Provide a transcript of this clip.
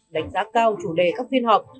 đánh giá cao chủ đề các phiên họp